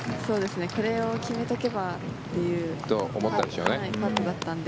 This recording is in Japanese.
これを決めておけばというパットだったので。